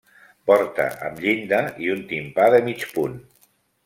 Porta amb llinda i un timpà de mig punt.